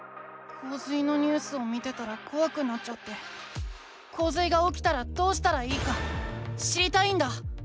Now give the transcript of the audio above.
こう水のニュースを見てたらこわくなっちゃってこう水がおきたらどうしたらいいか知りたいんだ。